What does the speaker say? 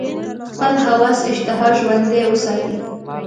خپل هوس اشتها ژوندۍ وساتي.